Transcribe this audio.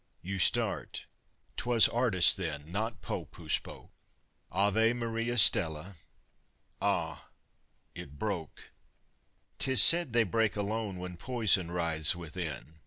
You start 'twas artist then, not Pope who spoke! Ave Maria stella! ah, it broke! 'Tis said they break alone When poison writhes within.